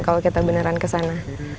kalau kita beneran kesana